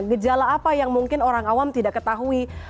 gejala apa yang mungkin orang awam tidak ketahui